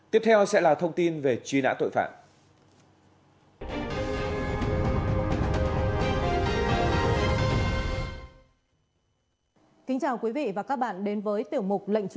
tiếp theo sẽ là thông tin về truy nã tội phạm